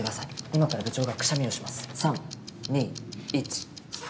今から部長がくしゃみをします。